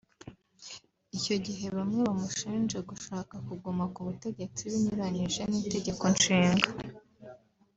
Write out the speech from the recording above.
Icyo gihe bamwe bamushinje gushaka kuguma ku butegetsi binyuranyije n’Itegeko Nshinga